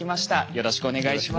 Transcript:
よろしくお願いします。